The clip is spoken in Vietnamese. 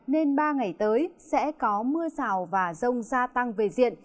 nên ba ngày tới sẽ có mưa rào và rông gia tăng về diện